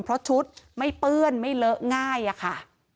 เพราะชุดไม่เปื้อนไม่เลอะง่ายอะค่ะ